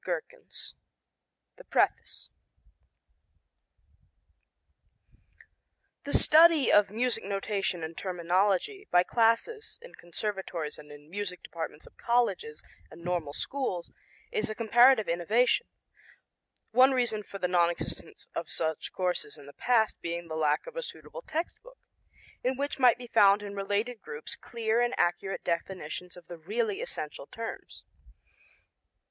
Barnes Company PREFACE The study of music notation and terminology by classes in conservatories and in music departments of colleges and normal schools is a comparative innovation, one reason for the non existence of such courses in the past being the lack of a suitable text book, in which might be found in related groups clear and accurate definitions of the really essential terms.